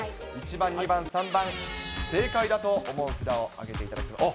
１番、２番、３番、正解だと思う札を挙げていただきます。